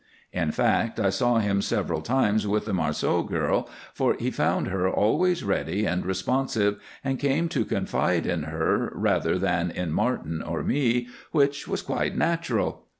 In fact, I saw him several times with the Marceau girl, for he found her always ready and responsive, and came to confide in her rather than in Martin or me, which was quite natural.